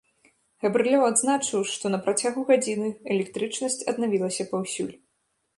Габрылёў адзначыў, што на працягу гадзіны электрычнасць аднавілася паўсюль.